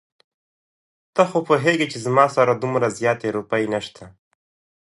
ته خو پوهېږې چې زما سره دومره زياتې روپۍ نشته.